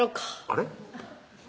あれ？